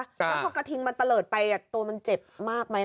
ถ้ากระทิงมันเตลอดไปตัวมันเจ็บมากไหม